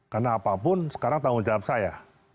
karena apapun sekarang tanggung jawab saya